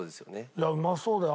いやうまそうだよ。